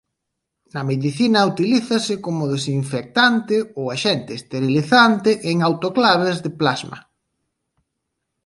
Na medicina utilízase como desinfectante ou axente esterilizante en autoclaves de plasma.